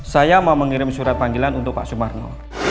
saya mau mengirim surat panggilan untuk pak sumarno